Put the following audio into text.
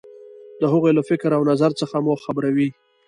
د هغو له فکر او نظر څخه مو خبروي.